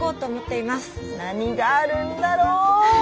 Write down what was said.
何があるんだろう！